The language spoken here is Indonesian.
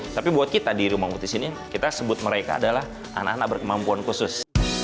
tapi buat kita di rumah mutis ini kita sebut mereka adalah anak anak berkemampuan khusus